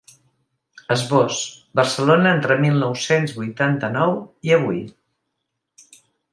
Esbós: Barcelona, entre mil nou-cents vuitanta-nou i avui.